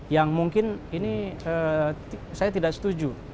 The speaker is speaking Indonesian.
yang mungkin ini saya tidak setuju